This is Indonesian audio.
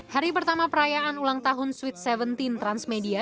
hari pertama perayaan ulang tahun sweet seventeen transmedia